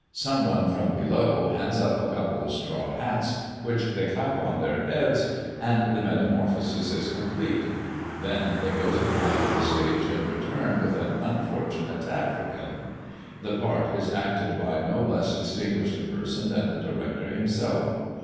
Some one from below, hands up a couple of straw hats, which they clap on their heads, and the metamorphosis is complete. They then go to the back of the stage and return with an unfortunate "African." The part is acted by no less distinguished a person than the director himself.